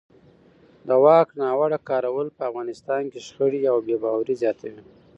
د واک ناوړه کارول په افغانستان کې شخړې او بې باورۍ زیاتوي